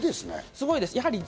すごいです。